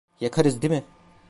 Yakarız değil mi…